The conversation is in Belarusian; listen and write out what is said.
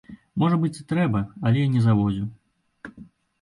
Можа быць і трэба, але я не заводзіў.